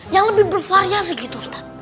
yang lebih bervariasi gitu ustadz